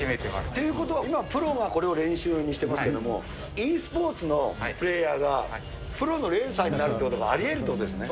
ということは、今はプロがこれを練習にしてますけども、ｅスポーツのプレーヤーが、プロのレーサーになるということもありえるってことですね。